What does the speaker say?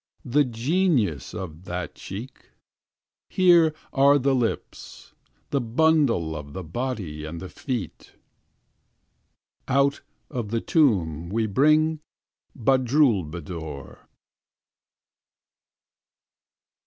The genius of that cheek. Here are the lips. The bundle of the body and the feet. Out of the tomb we bring Badroulbadour.